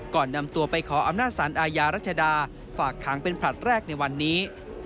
ก่อนนำตัวไปขออำนาจสารอาญารัชดาฝากขังเป็นผลัดแรกในวันนี้